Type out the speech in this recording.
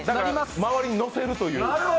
周りに乗せるという。